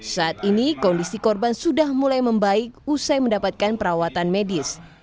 saat ini kondisi korban sudah mulai membaik usai mendapatkan perawatan medis